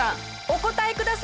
お答えください！